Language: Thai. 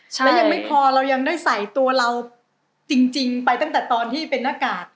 และยังไม่พอเรายังได้ใส่ตัวเราจริงไปตั้งแต่ตอนที่เป็นหน้ากาก